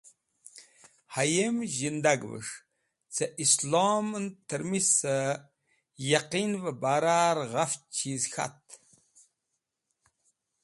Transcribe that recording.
Hayem zhidagvẽs̃h ce islomẽn tẽrmisẽ yeqinvẽ barar ghafch chiz k̃hat.